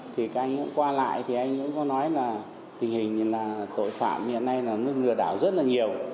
thì các anh cũng qua lại thì anh cũng có nói là tình hình là tội phạm hiện nay là lừa đảo rất là nhiều